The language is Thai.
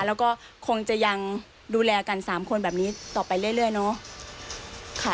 แล้วก็คงจะยังดูแลกัน๓คนแบบนี้ต่อไปเรื่อยเนาะ